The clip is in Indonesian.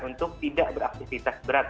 untuk tidak beraktifitas berat